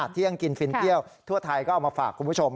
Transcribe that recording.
เที่ยงกินฟินเที่ยวทั่วไทยก็เอามาฝากคุณผู้ชม